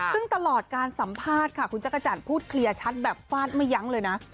ซึ่งตลอดการสัมภาษณ์ค่ะคุณจักรจันทร์พูดเคลียร์ชัดแบบฟาดไม่ยั้งเลยนะ